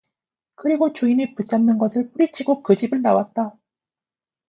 그리고 주인의 붙잡는 것을 뿌리치고 그 집을 나왔다.